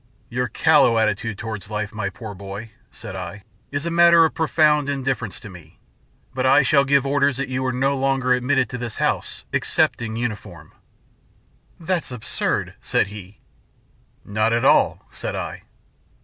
"Your callow attitude towards life, my poor boy," said I, "is a matter of profound indifference to me. But I shall give orders that you are no longer admitted to this house except in uniform." "That's absurd," said he. "Not at all," said I.